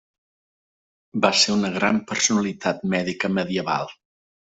Va ser una gran personalitat mèdica medieval.